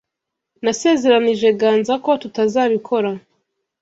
Nasezeranije Ganza ko tutazabikora.